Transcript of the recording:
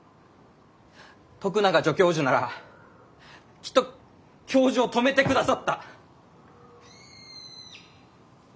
徳永助教授ならきっと教授を止めてくださった！